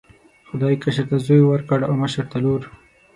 خدای کشر ته زوی ورکړ او مشر ته لور.